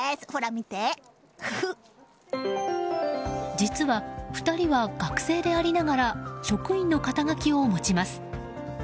実は２人は学生でありながら職員の肩書を持ちます。